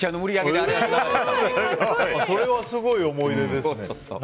それはすごい思い出ですね。